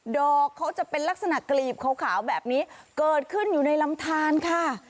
เขาจะเป็นลักษณะกลีบขาวแบบนี้เกิดขึ้นอยู่ในลำทานค่ะ